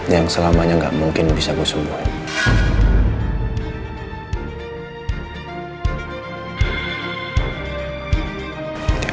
yang selamanya gak mungkin bisa gue sembuhin